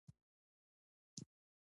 د دې ټولنې د کارموندنې برخه فعاله ده.